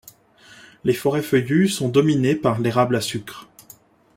Les forêts feuillues sont dominées par l'érable à sucre.